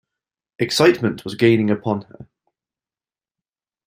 Excitement was gaining upon her.